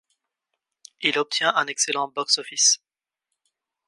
Il obtient un excellent box-office.